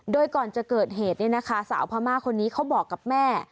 โดยก่อนจะเกิดเหตุสาวพามาคนนี้เขาบอกกับแม่